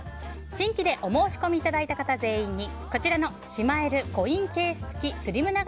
新規でお申し込みいただいた方全員にしまえるコインケース付きスリム長